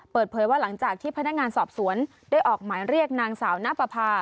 เปิดเผยว่าหลังจากที่พนักงานสอบสวนได้ออกหมายเรียกนางสาวนปภา